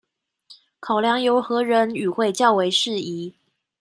考量由何人與會較為適宜